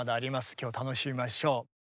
今日は楽しみましょう。